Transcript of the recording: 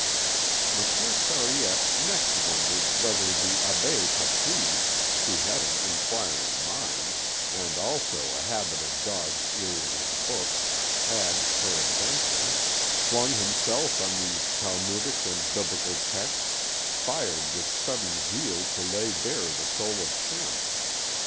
Monsieur Sariette next wondered whether the Abbé Patouille, who had an enquiring mind, and also a habit of dog's earing his books, had, peradventure, flung himself on these talmudic and biblical texts, fired with sudden zeal to lay bare the soul of Shem.